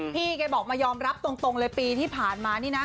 พี่แกบอกมายอมรับตรงเลยปีที่ผ่านมานี่นะ